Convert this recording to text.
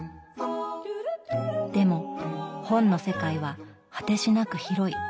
でも本の世界は果てしなく広い。